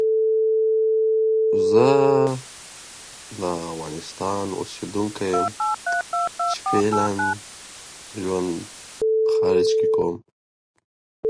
د هرې معاملې ریکارډ په ډیجیټل ډول خوندي کیږي.